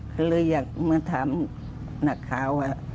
ก็เลยอยากมาถามนักข่าวว่า